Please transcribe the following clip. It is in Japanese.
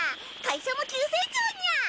会社も急成長にゃ。